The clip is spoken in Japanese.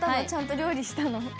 ちゃんと料理したの？